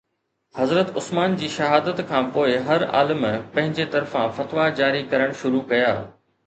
حضرت عثمان جي شهادت کان پوءِ هر عالم پنهنجي طرفان فتويٰ جاري ڪرڻ شروع ڪيا